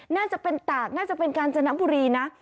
น่าจะเป็นตากน่าจะเป็นกาญจนบุรีนะ